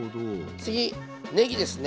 次ねぎですね。